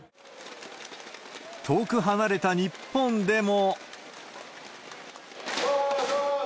遠く離れた日本でも。